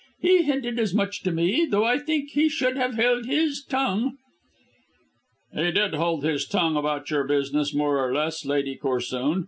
He hinted as much to me, though I think he should have held his tongue." "He did hold his tongue about your business, more or less, Lady Corsoon.